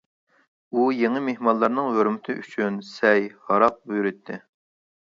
ئۇ يېڭى مېھمانلارنىڭ ھۆرمىتى ئۈچۈن سەي، ھاراق بۇيرۇتتى.